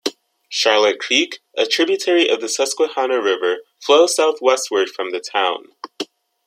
Charlotte Creek, a tributary of the Susquehanna River flows southwestward from the town.